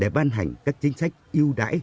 để bàn hành các chính sách yêu đãi